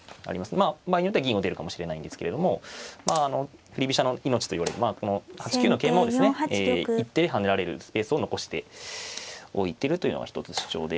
まあ場合によっては銀を出るかもしれないんですけれども振り飛車の命といわれるこの８九の桂馬をですね一手で跳ねられるスペースを残しておいてるというのが一つ主張で。